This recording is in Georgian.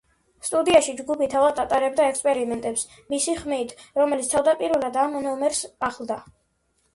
სტუდიაში ჯგუფი თავად ატარებდა ექსპერიმენტებს მისი ხმით, რომელიც თავდაპირველად ამ ნომერს ახლდა.